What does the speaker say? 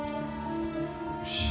よし。